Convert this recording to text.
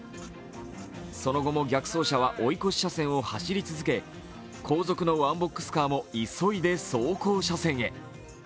その後も逆走車は追い越し車線を走り続け、後続のワンボックスカーも急いで走行車線へ。